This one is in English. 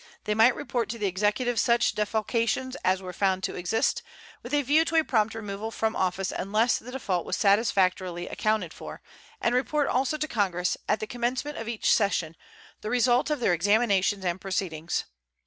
They might report to the Executive such defalcations as were found to exist, with a view to a prompt removal from office unless the default was satisfactorily accounted for, and report also to Congress, at the commencement of each session, the result of their examinations and proceedings.